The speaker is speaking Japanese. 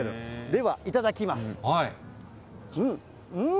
ではいただきます。